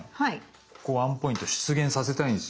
ここワンポイント出現させたいんですよ。